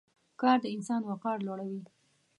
کار د انسان وقار لوړوي.